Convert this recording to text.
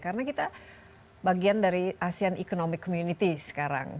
karena kita bagian dari asian economic community sekarang